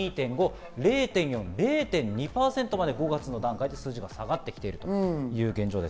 ０．２％まで５月の段階で数字が下がっています。